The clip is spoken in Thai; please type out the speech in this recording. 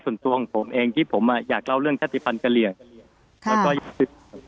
ส่วนตัวของผมเองที่ผมอ่ะอยากเล่าเรื่องชาติภัณฑ์กะเหลี่ยงแล้วก็คือ